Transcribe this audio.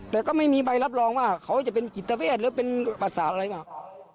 แต่ก็ไม่มีใบรับรองว่าเขาจะเป็นจิตเวทหรือเป็นประสาทอะไรมาก